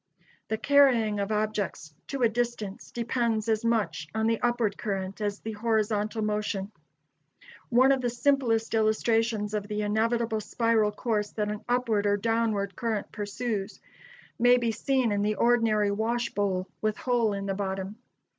The carrying of objects to a distance depends as much on the upward current as the horizontal motion. One of the simplest illustrations of the inevitable spiral course that an upward or downward current pursues may be seen in the ordinary wash bowl with hole in the bottom.